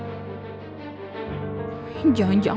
gak bisa banget sih lu bang